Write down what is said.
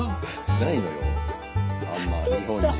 ないのよあんま日本に。